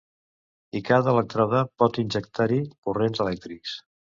I cada elèctrode pot injectar-hi corrents elèctrics.